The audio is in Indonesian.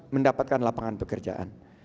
mendapatkan lapangan pekerjaan